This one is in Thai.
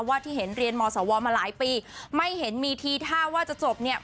ที่เห็นเรียนมสวมาหลายปีไม่เห็นมีทีท่าว่าจะจบเนี่ย